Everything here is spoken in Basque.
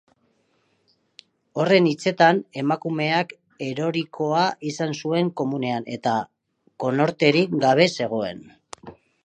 Horren hitzetan, emakumeak erorikoa izan zuen komunean, eta konorterik gabe zegoen.